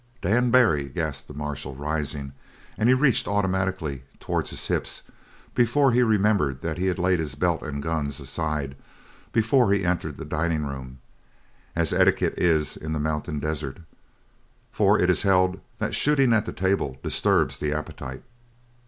"Dan Barry!" gasped the marshal, rising, and he reached automatically towards his hip before he remembered that he had laid his belt and guns aside before he entered the dining room, as etiquette is in the mountain desert. For it is held that shooting at the table disturbs the appetite.